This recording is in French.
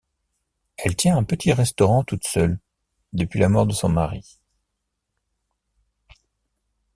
Elle tient un petit restaurant toute seule, depuis la mort de son mari.